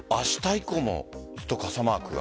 以降もずっと傘マークが。